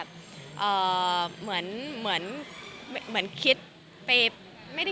ก็บอกว่าเซอร์ไพรส์ไปค่ะ